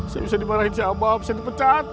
saya bisa dibarahi si aba bisa dipecat